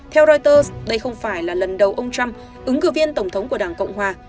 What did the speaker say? theo reuters đây không phải là lần đầu ông trump ứng cử viên tổng thống của đảng cộng hòa